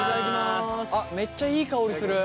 あっめっちゃいい香りする。